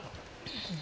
うん。